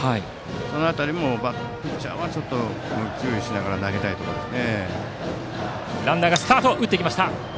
その辺りもピッチャーは注意しながら投げたいところです。